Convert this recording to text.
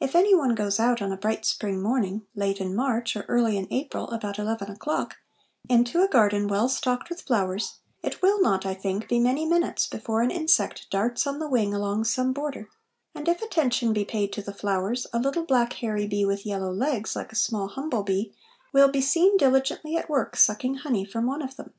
If any one goes out on a bright spring morning, late in March or early in April, about 11 o'clock, into a garden well stocked with flowers, it will not, I think, be many minutes before an insect darts on the wing along some border, and, if attention be paid to the flowers, a little black hairy bee with yellow legs, like a small humble bee, will be seen diligently at work sucking honey from one of them.